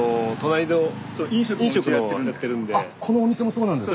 あこのお店もそうなんですか？